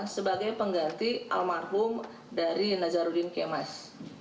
sebagai pengganti almarhum dari nazarudin kemas